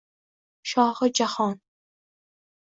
Shohi Jahon: